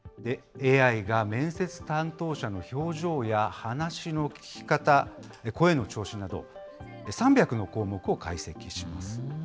ＡＩが面接担当者の表情や話の聞き方、声の調子など、３００の項目を解析します。